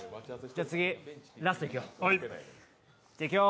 じゃあ次、ラストいくよ。